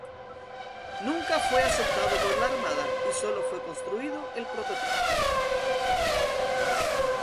Nunca fue aceptado por la Armada y sólo fue construido el prototipo.